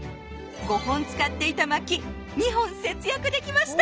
５本使っていたまき２本節約できました！